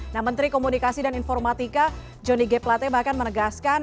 nah menteri komunikasi dan informatika johnny g plate bahkan menegaskan